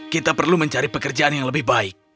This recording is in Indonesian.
kita perlu mencari pekerjaan yang lebih baik